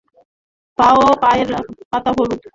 পা ও পায়ের পাতা হলুদ।